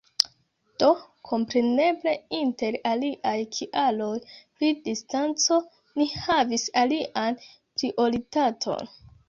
Do, kompreneble inter aliaj kialoj, pri distanco ni havis alian prioritaton.